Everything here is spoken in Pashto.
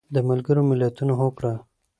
د ملګرو ملتونو هوکړه